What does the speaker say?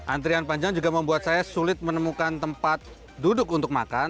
antrian panjang juga membuat saya sulit menemukan tempat duduk untuk makan